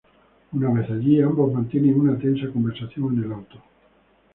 Una vez allí, ambos mantienen una tensa conversación en el auto.